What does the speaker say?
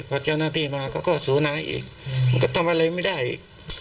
พอเจ้าหน้าที่มาเขาก็สูนายอีกมันก็ทำอะไรไม่ได้อีก